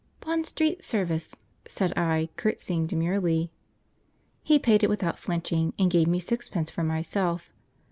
"Bond Street service," said I, curtsying demurely. He paid it without flinching, and gave me sixpence for myself.